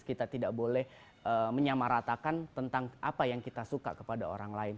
kita tidak boleh menyamaratakan tentang apa yang kita suka kepada orang lain